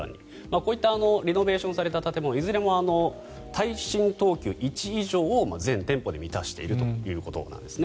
こういったリノベーションされた建物いずれも耐震等級１以上を全店舗で満たしているということです。